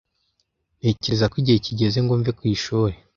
Ntekereza ko igihe kigeze ngo mve ku ishuri.